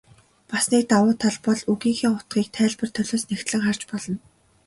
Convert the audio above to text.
Бас нэг давуу тал бол үгийнхээ утгыг тайлбар толиос нягтлан харж болно.